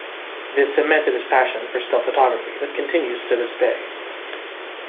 This cemented his passion for still photography that continues to this day.